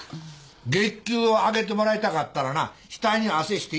月給上げてもらいたかったらな額に汗して一生懸命働け。